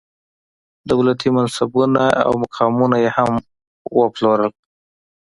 دولتي منصبونه او مقامونه یې هم وپلورل.